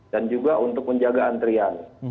dan juga untuk menjaga antrian